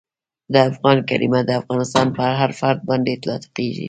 د افغان کلیمه د افغانستان پر هر فرد باندي اطلاقیږي.